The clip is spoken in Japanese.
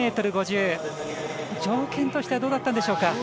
条件としてはどうだったんでしょうか。